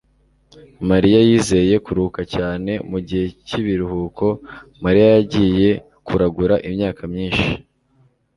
Mariya yizeye kuruhuka cyane mugihe cyibiruhuko. Mariya yagiye kuragura imyaka myinshi.